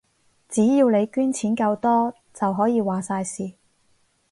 只要你捐錢夠多，就可以話晒事